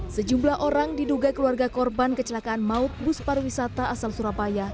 sejumlah orang diduga keluarga korban kecelakaan maut bus pariwisata asal surabaya